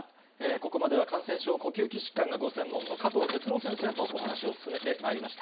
ここまでは感染症呼吸器疾患がご専門の加藤哲朗先生とお話を進めてまいりました。